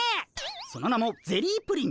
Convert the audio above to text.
その名もゼリープリン。